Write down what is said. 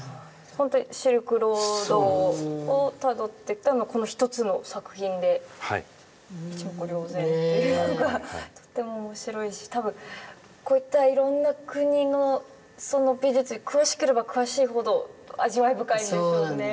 ホントにシルクロードをたどってきたこの一つの作品で一目瞭然っていうのがとっても面白いし多分こういったいろんな国のその美術に詳しければ詳しいほど味わい深いんでしょうね